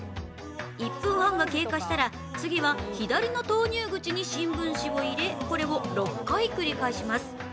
１分半が経過したら、次は左の投入口に新聞紙を入れ、これを６回繰り返します。